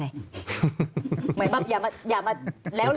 เหมือนแบบอย่ามาแล้วหรืออย่างนี้ใช่ไหม